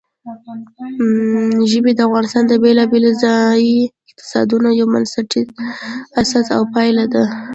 ژبې د افغانستان د بېلابېلو ځایي اقتصادونو یو بنسټیزه اساس او پایایه ده.